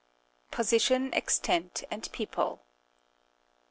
Position, Extent, and People.